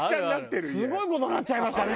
すごい事になっちゃいましたね！